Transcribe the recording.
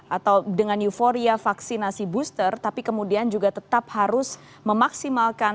atau dengan euforia vaksinasi booster tapi kemudian juga tetap harus memaksimalkan